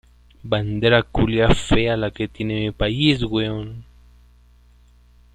A la bandera oficial se le adosa el escudo del Estado.